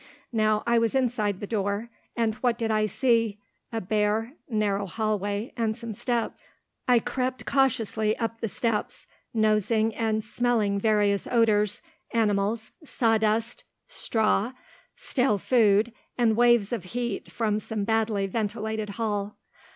Now I was inside the door, and what did I see a bare, narrow hallway, and some steps. I crept cautiously up the steps, nosing and smelling various odours, animals, sawdust, straw, stale food, and waves of heat from some badly ventilated hall.